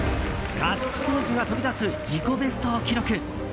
ガッツポーズが飛び出す自己ベストを記録。